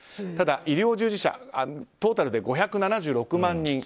ただ医療従事者トータルで５７６万人。